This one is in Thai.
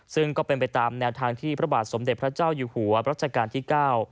ซึ่งก็เป็นไปตามแนวทางที่พระบาทสมเด็จพระเจ้าอยู่หัวรัชกาลที่๙